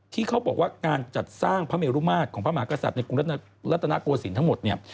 ที่เขาบอกว่าการจัดสร้างพระเมรุมาตรของพระมหากษัตริย์ในกรุงรัฐนาโกศิลป์ทั้งหมดเนี่ย